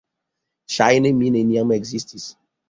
Ŝajne mi neniam ekzistis.